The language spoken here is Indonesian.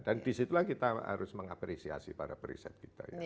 dan disitulah kita harus mengapresiasi para preset kita ya